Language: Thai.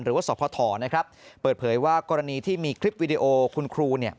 หรือว่าสอบพอตรเปิดเผยว่ากรณีที่มีคลิปวิดีโอคุณครู